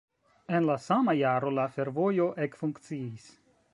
En la sama jaro la fervojo ekfunkciis.